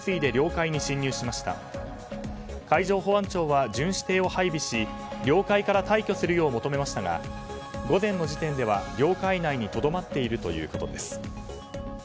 海上保安庁は巡視艇を配備し領海から退去するよう求めましたが、午前の時点では領海内にとどまっているということです。